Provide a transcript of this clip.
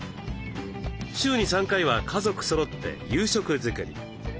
週に３回は家族そろって夕食づくり。